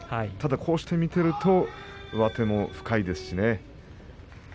こうして見ていると上手も深いですしね。